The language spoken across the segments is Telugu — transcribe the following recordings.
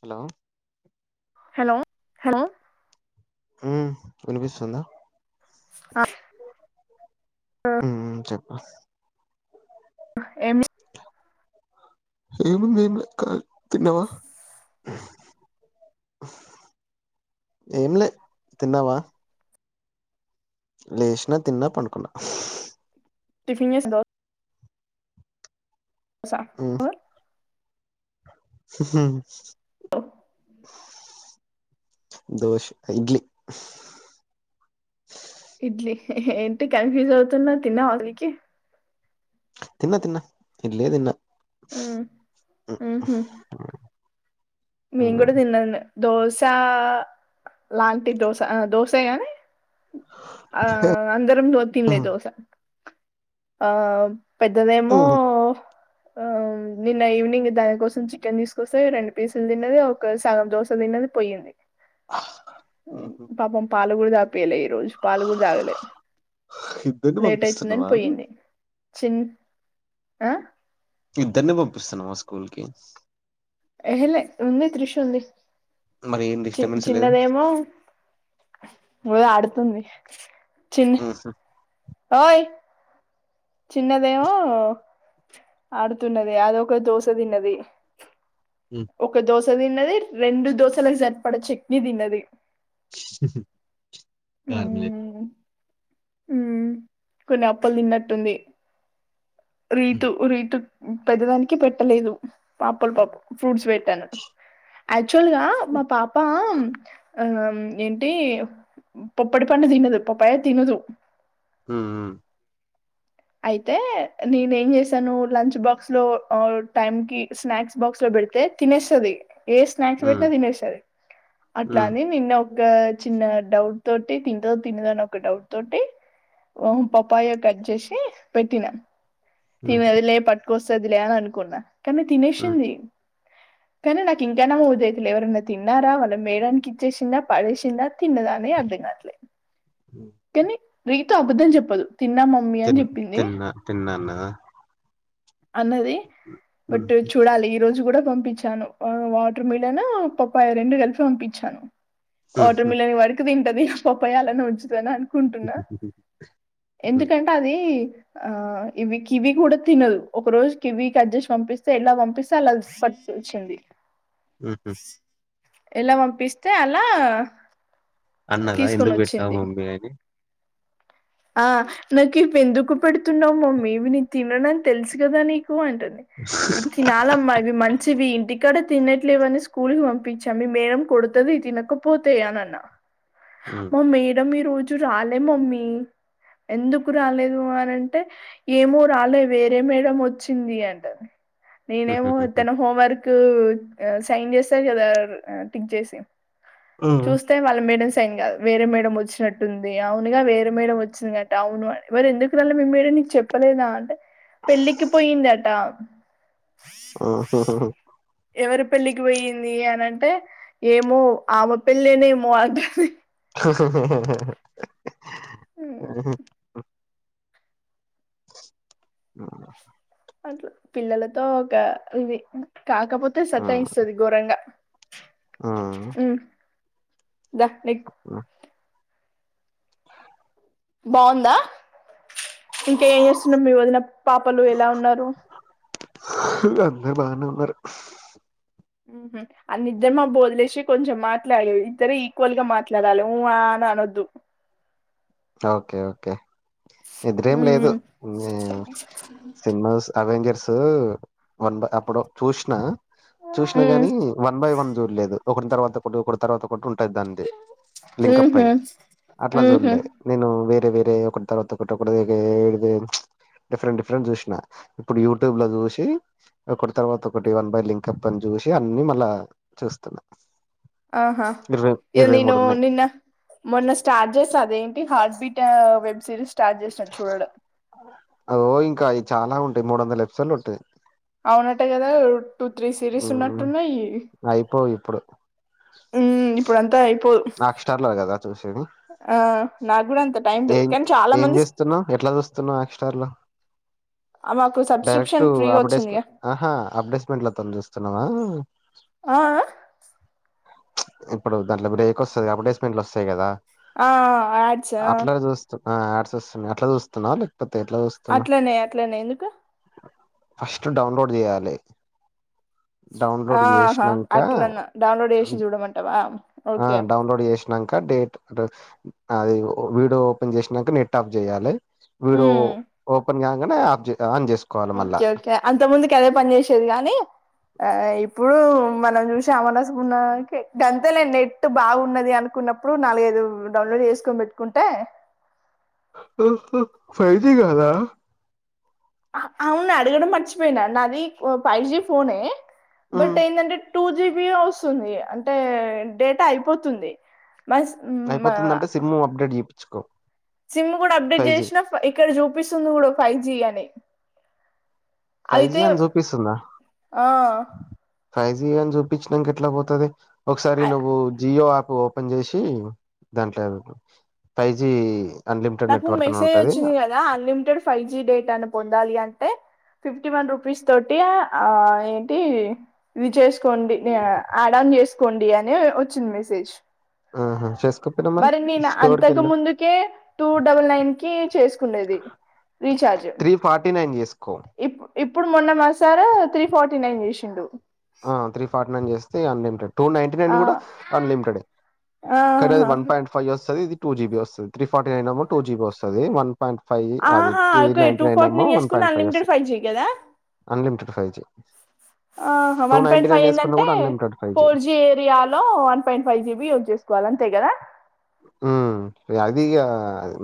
హలో హలో హలో ఉమ్ వినిపిస్తుందా ఆ అహ్ ఉమ్ చెప్పు ఎమి ఏముంది ఎంలే కార్ తిన్నావా ఏంలే తిన్నావా లేసినా తిన్నా పండుకున్న టిఫన్ చేసింద ఉమ్ [inaudible] దోశ ఇడ్లీ ఇడ్లీ ఏంటి కన్ఫ్యూజ్ అవుతునవ్ తిన్నవా అసల్ కి తిన్న తిన్న ఇడ్లీ తిన్న ఉమ్ ఉహు మేం గూడా ఉమ్ తిన్నాన్నే దోసా లాంటి దోస అహ్ దోసెగానీ ఆ అందరం దో తిన్లే దోస ఆమ్ పెద్దదేమో ఉమ్ ఆహ్ నిన్న ఈవినింగ్ దాని కోసం చికెన్ తీసుకొస్తే రెండు పీస్ తిన్నది ఒక సగం దోస తిన్నది పోయింది పాపం పాలు గుడా తాగ్ పియలే ఈరోజు పాలు గూడా తాగలే ఇద్దరిని లేటైతుందని పంపిస్తున్నావా పోయింది చిన్ ఆహ్ ఇద్దర్ని పంపిస్తున్నవా స్కూల్ కి ఎహ లే ఉంది త్రిష్ ఉంది మరి ఏం చి డిస్టర్బెన్స్ లేదు చిన్నదేమో మొద ఆడుతుంది చిన్ ఓయ్ చిన్నదేమో ఆడుతున్నది అదొక దోస తిన్నది ఉమ్ ఒక దోస తిన్నది రెండూ దోసలకు సరిపడ చట్నీ తిన్నది ఉహు కార్ములె ఉమ్ కొన్ని అప్పల్ తిన్నట్టుంది ఉమ్ రీతు రీతు పెద్దదానికి పెట్టలేదు పాపల ఫ్రూట్స్ పెట్టాను యాక్చువల్ గా మా పాప ఉమ్ ఏంటి పొప్పడి పండు తినదు పప్పాయా తినదు ఉ ఉమ్ అయితే నేను ఏం చేసాను లంచ్ బాక్స్ లో టైమ్ కి స్నాక్స్ బాక్స్ లో పెడితే తినేస్తది. ఏ స్నాక్స్ ఉమ్ పెట్టినా తినేస్తది ఉమ్ అట్లనె నిన్న గా చిన్న డౌట్ తోటి తింటదో తినదో అని ఒక డౌట్ తోటి వన్ పప్పాయా కట్ జేషి పెట్టిన ఉమ్ తినదిలే పట్ కోస్తది లే అనుకున్న కని తినేషింది. కానీ నాకు ఇంకా నమ్మాద్ధియితలే ఎవరన్న తిన్నారా? వాళ్ళ మేడానికి ఇచ్చేషిందా, పడేషిందా, తిన్నదా అని అర్థ గాట్లే ఉమ్ కాని రీతూ అబద్ధం చెప్పదు. తిన్న మమ్మీ అని తిన్ చెప్పింది. తిన్నా తిన్నా అన్నదా అన్నది. ఉమ్ బట్ చూడాలి ఈ రోజు కూడా పంపించాను వాటర్మిలన్ పప్పాయి రెండు కల్పి పంపించాను. వాటర్మిలన్ వరకు తింటది హ్ పప్పయి అలానే ఉంచుతాది అని అన్ కుంటున్న ఉమ్ హ్మ్. ఎందుకంటే అది ఆ ఇవి కివి కూడ తినదు ఒక రోజు కివీ కట్ చేసి పంపిస్తే ఎలా పంపిస్తే అలా సట్ అచ్చింది ఉహు ఎలా వంపిస్తే అలా అన్నదా తీసుకొని ఎందుకు పెట్టావ్ మమ్మీ అని అ నాకు ఇవి ఎందుకు పెడుతున్నావ్ మమ్మీ ఇవి నేన్ తినను అని తెలుసు కదా నీక్ కు అంటుంది తినాలమ్మ ఇవి మంచివి ఇక్కడ తినట్లేవని స్కూల్కి పంపించన్ మీ మేడం కొడుతది తినకపోతే అని అన్నా హ్మ్. మా మేడం ఈరోజు రాలే మమ్మీ ఎందుకు రాలేదు అని అంటే ఏమో రాలే వేరే మేడం వచ్చింది అంట నేనేమో హుహుహుహు. తన హోం వర్క్ క్ సైన్ చేస్తది కదా ఆ టిక్ జేసి హ్మ్. చూస్తే వాళ్ళ మేడం సైన్ అర్థం కాద్ వేరే మేడం వచ్చినట్టుంది అవునుగా వేరే మేడం వచ్ వస్తుందట అవును మరి ఎందుకు రాలే మి మేడం నీకు చెప్పలేదా అంటే పెళ్ళికి పోయిందట ఉ ఉహు ఉహు ఎవరి పెళ్ళికి పోయింది అని అంటె ఏమో ఆమె పెళ్ళేనేమో హ్ అంటుంది. హ హా ఉమ్ అట్ల పిల్లలతో ఒక ఇది కాకపోతే సతాయిస్తది గోరంగా ఆ దక్ ఎక్ బావుందా? ఇంక ఏ చేస్తున్నారు మీ వదిన పాపలు ఎలా ఉన్నారు? అందరు బానే ఉన్నరు. ఉహు అది నిద్ర మబ్బు వదిలేసి కొంచెం మాట్లాడు ఇద్దరూ ఈక్వల్ గా మాట్లాడాలి ఉ ఆ ఆన్ అనొద్దు ఓకే ఓకే నిద్రేం లేదు ఉమ్ ఆ సినిమాస్ అవేంజెర్స్ సో వంద్ అప్పుడు చూసిన చుసిన గాని వన్ బై వన్ చూడలేదు ఒకరి తర్వాత ఒకటి ఒకరి తర్వాత ఒకటి ఉంటుది దాంది లింకప్ అయి ఉహు అట్ల ఉహు చుల్లె నేను వేరే వేరే ఒకటి తర్వాత ఒకటి ఒకటి వేరేది డిఫరెంట్ డిఫరెంట్ చూసిన ఇప్పుడు యూట్యూబ్ లో చూసి ఒకటి తర్వాత ఒకటి వన్ బై లింక్ అప్ అని చూసి అన్ని మళ్ళా చూస్తున్నా ఆహా ఇరవై ఇ ఇరవై నేను మూడు ఉన్నాయి నిన్న మొన్న స్టార్ట్ చేసా అదే ఈ heart beta web series start చేసినా చూడడం అగో ఇంకా అవి చాలా ఉంటయి మూడు వందల ఎపిసోడ్లు ఉంటై అవునటే కదా యి టూ త్రీ సిరీస్ ఉన్నట్టున్నాయి పుడు ఉమ్ ఇప్పుడంతా ఇపో నాక్ స్టార్ల కదా చూసేది ఆ నాకు కూడా అంత టైం లేదు ఏం కానీ చాలా ఏం మంది చేస్తున్నా ఎట్లా చూస్తున్నావు హాట్స్టార్ లో మాకు డైరెక్ట్ సబ్స్క్రిప్షన్ ఫ్రీగా అప్డెస్క్ వచ్చిందిగా ఆహా అప్దేస్లుండిలో త చూస్తున్నావా ఆ అ ఇప్పుడు దాంట్లో ఉడే ఎక్తై అడ్వర్టైస్మెంట్లు వస్తాయి కదా ఆ యాడ్స్ ఆ అట్లానే చూ ఆ ఏడ్స్ వస్తున్నాయి అట్లా చూస్తున్నావు లేకపోతే ఎట్లా అట్లనే అట్లనే ఎందుకు ఫస్ట్ డౌన్లోడ్ చేయాలే డౌన్లోడ్ ఆహా చేసినంక అట్లనా డౌన్లోడ్ చేసి చూడమంటావా ఆ ఓకే డౌన్లోడ్ చేసినాక డేట్ అది వీడియో ఓపెన్ చేసినాక నెట్ ఆఫ్ చేయాలె వీడో ఉమ్ ఓపెన్ కాగ్ గానే ఆఫ్జై ఓకే ఓకే అంత ముందుకి అదే పని చేసేది గానీ ఆ ఇప్పుడు మనం చూసి అమసా పున్నానికి గంతలే నెట్ బాగున్నది అనుకున్నప్పుడు నాలుగైదు డవ్లొ చేస్కొనిపేట్కుంటే ఫైవ్ జి కాదా ఆ అవును అడగడం మర్చిపోయినా నాది ఫైవ్ జి ఫోనే ఉమ్ బట్ ఎందంటే టూ జీబిఏ వస్తుంది అంటే డేటా అయిపోతుంది మస్ అయిపోతుందంటే సిమ్ అప్డేట్ చెపిచుకో సిమ్ కూడా అప్డేట్ చేసినా ఇక్కడ చూపిస్తుంది కూడా ఫైవ్ జి అని ఫైవ్ జి అయితే అని చూపిస్తుందా ఆ ఫైవ్ జి అని చూపించినాక ఎట్లా పోతది ఒకసారి నువ్వు జియో యాప్ ఓపెన్ చేసి దాంట్లో ఫైవ్ జి నాకు మెసేజ్ వచ్చింది కదా అన్లిమిటెడ్ ఫైవ్ జి డేటాని పొందాలి అంటే ఫిఫ్టీ వన్ రూపీస్ తోటి ఆ ఏంటి ఇవి చేసుకోండి ఆ ఆడ వేస్సుకోండి అని వచ్చింది మెసేజ్ ఆహా చేసుకోపోయినా మరి నేను స్టోర్కి అంతక వెళ్ళు ముందుకే టూ డబుల్ నైన్ కి చేసుకుండేది రీచార్జ్ త్రీ ఫార్టీ నైన్ చేసుకో ఇప్పు ఇప్పుడు మొన్న మాసారు త్రీ ఫార్టీ నైన్ చేసిండు ఆ త్రీ ఫార్టీ నైన్ చేస్తే అన్ టూ నైన్టీ నైన్ ఆ కూడా అన్లిమిటెడ్ కానీ అది ఆహా వన్ పాయింట్ ఫైవ్ వస్తది ఇది టూ జీబీ వస్తది త్రీ ఫార్టీ నైన్ ఏమో టూ జీబీ వస్తది వన్ వన్ పాయిట్ ఫైవ్ అది ఆహా త్రీ ఓకే నైన్ టి టూ నైన్ ఫార్టీ ఏమో వన్ చేసుకున్న పాయింట్ ఫైవ్ అన్లిమిటెడ్ వస్తంది జీ కదా అన్లిమిటెడ్ ఫైవ్ జి ఆహ్ వన్ పాయింట్ ఫైవ్ ఎందంటే unlimited five G four G area లో one point five GB use చేసుకోవాల తే గదా ఉమ్ అది ఇగ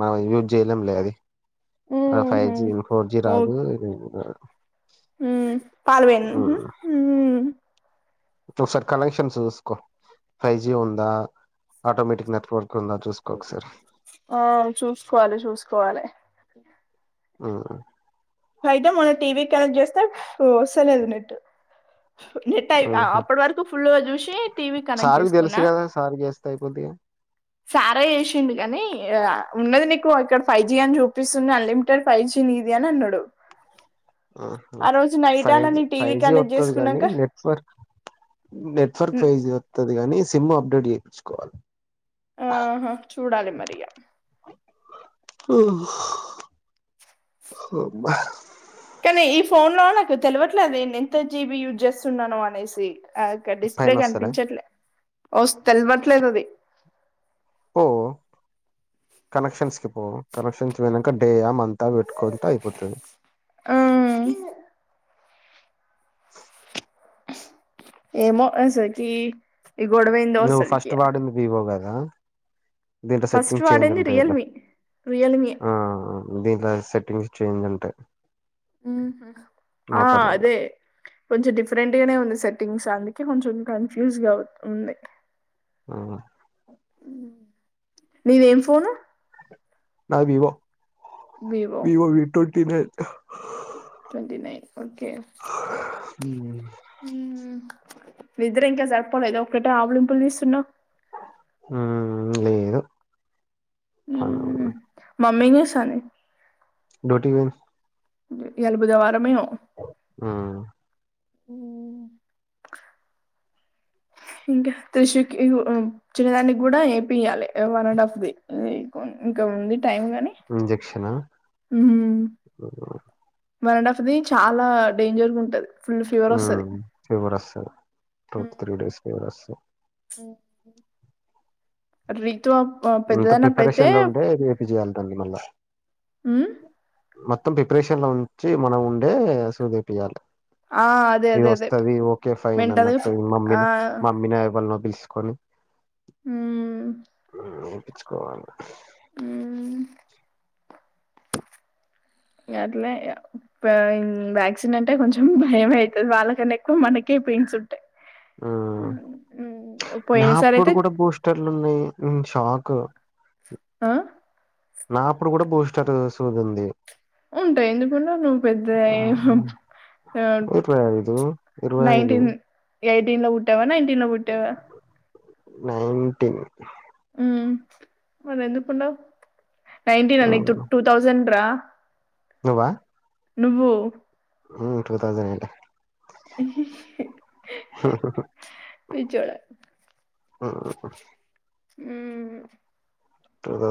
మనం యూజ్ చేయలేం లే అది ఫైవ్ ఊహు జి ఫోర్ జి రాదు మ్ పాల్వెన్ ఇంకొసారి కనెక్షన్స్ చూసుకో ఫైవ్ జి ఉందా ఆటోమేటిక్ నెట్ వర్క్ ఉంద చూసుకోకసారి ఆ చూసుకోవాలి చూసుకోవాలి ఉ అయితే మొన్న టీవీ కనెక్ట్ చేస్తే వస్తలేదు నెట్ నెట్ అయ్ ఆ ఉహు అప్పటి వరకు ఫుల్లుగా చూసి టీవీకి కనెక్ట్ సార్కి తెలుసు చేసుకున్నా కదా సార్కి చేస్తే అయిపోద్ది సారె చేసిండు గనీ ఆ ఉన్నది నీకు అక్కడ ఫైజి అని చూపిస్తుంది అన్లిమిటెడ్ ఫైజి ని ఇద్యాన అన్నడు ఆహ నైట్ ఫైవ్ అలా జి నీ టీవీ ఫైవ్ జి కనెక్ట్ వొత్తది గానీ చేసుకున్నాక నెట్వర్క్ నెట్వర్క్ మ్, ఫైజి వొత్తది గాని సిమ్ అప్డేట్ చేపిచ్చుకోవాలి. ఆహా చూడాలి మరిగ కానీ ఈ ఫోన్ లో నాకు తెల్వట్లేదు. ఇనే ఎంత జీబి యూజ్ చేస్తున్నానో అనేసి. ఆ గ డిస్ప్లే పైన వస్తలే కనిపించట్లే వొస్త్ తెలివట్లేదు అది ఓ కనెక్షన్స్ కి పోవు కనెక్షన్స్ పోయినంక డేయా మంత పెట్టుకోంత అయిపోతాది. ఆ ఏమో అసల్కి ఈ గొడవెందో నువ్వు అసల్కి ఫస్ట్ దింట్లో సెట్టింగ్ చేంజ్ వాడింది ఉంటాయి ఇలా రియల్మీ రియల్మీ ఆ దింట్ల సెట్టింగ్స్ చేంజ్ ఉంటాయ్ ఆ అదే కొంచెం డిఫరెంట్ గానే ఉంది సెట్టింగ్స్ అందుక్ చెం కొంచెం కన్ఫ్యూజ్గా ఉంది. ఉ ఉ నీదేం ఫోను నా Vivo Vivo V twenty nine twenty nine okay ఉమ్ నిద్ర ఇంకా జరిపోలేదా ఒకటే ఆవులింపులు తీస్తున్నావ్. హ లేదు సరే డ్యూటీ కి పోయింద్ ఇయాల బుధవారమేమో ఆ ఊ ఇంకా త్రిషు కి ఇ గో చిన్న దానికి గుడా ఏపీయ్యాలే వన్ అండ్ ఆఫ్ ది ఇంక్ ఇంక ఉంది. టైం గాని ఇంజెక్షనా ఉహు వన్ అండ్ ఆఫ్ ది చాలా డేంజర్ గ ఉంటది ఫుల్ ఫీవర్ ఆ వస్తది ఫీవర్ వొస్తది. టు త్రి డేస్ కి ఫీవర్ వొస్తది. ఉ రీతు అప్ అంత పెద్దదైనప్పుతే ప్రిపరేషన్ లో ఉండే చేపియాలి దాన్ని మళ్ళా ఉమ్ మొత్తం ప్రిపరేషన్ లో ఉంచి మనం ఉండే సూదేపియాల ఆ అదే ఏ అదే అదే వస్తది ఓకే ఫైన్ మెంటల్ గా అన్నట్టు ఫి- ఆ మమ్మీన మమ్మీనే వల్ వొద్ పిలుసుకొలు హ్మ్ ఉమ్ ఎపిచ్చుకోవాలి మ్మ్. ఇగ అట్లే ఇగ వాగ్ వ్యాక్సిన్ అంటే కొంచెం భయమయితది. వాళ్ళకన్నా ఎక్కువ మనకే పెయిన్స్ ఉంటాయి. ఆ హ్మ్. పోయిన సారి నాప్పుడు అయితే గుడా బూస్టర్లు ఉన్నాయ్ నేన్ షాక్ ఆ! నాప్పుడు గుడా బూస్టర్ సూదుంది ఉంటాయి ఎందుకు ఉండవ్ నువ్వు పెద్ద ఎం ఇరవై ఐదు ఇరవై ఐదు నైన్టీన్ ఎయిటీన్ లో పుట్టావా నైన్టీన్ ల పుట్టావా నైన్టీన్ మ్మ్ మరెందుకుండవ్ నైన్ టీన్ టు థౌసండ్ రా నువా నువ్వు ఉమ్మ్ టూతౌసండ్ ఎయిట్ పిచ్చోడా ఉమ్మ్ ఉ ఉమ్మ్ టూ తౌ